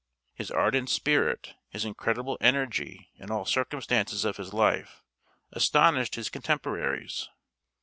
His ardent spirit, his incredible energy in all circumstances of his life, astonished his contemporaries.